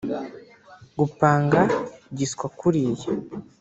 Gupanga giswa kuriya